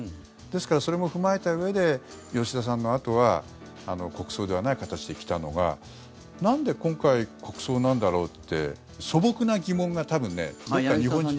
ですから、それも踏まえたうえで吉田さんのあとは国葬ではない形で来たのがなんで今回、国葬なんだろうって素朴な疑問が多分、どこか。